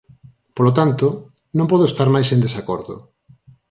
Polo tanto, non podo estar máis en desacordo.